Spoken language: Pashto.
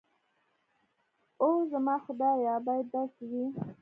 اوح زما خدايه بايد داسې وي.